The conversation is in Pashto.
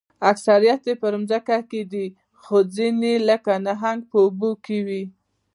اکثریت یې په ځمکه دي خو ځینې لکه نهنګ په اوبو کې وي